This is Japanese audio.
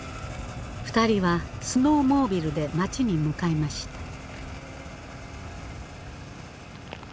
２人はスノーモービルで町に向かいました。